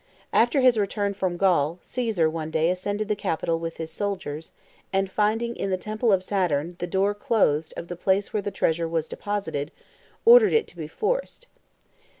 After his return from Gaul, Caesar one day ascended the Capitol with his soldiers, and finding, in the temple of Saturn, the door closed of the place where the treasure was deposited, ordered it to be forced.